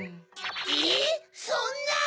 え⁉そんな！